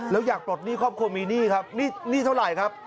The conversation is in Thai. แล้วอยากปลดหนี้ครอบครัวมีหนี้ครับหนี้เท่าไหร่ครับ